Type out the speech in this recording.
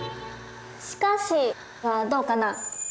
「しかし」はどうかな。